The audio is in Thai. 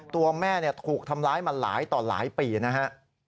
ตัวแม่ถูกทำร้ายมาหลายต่อหลายปีนะฮะ